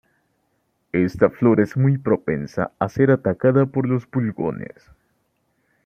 Esta flor es muy propensa a ser atacada por los pulgones.